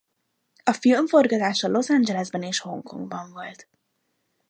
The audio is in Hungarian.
A film forgatása Los Angelesben és Hongkongban volt.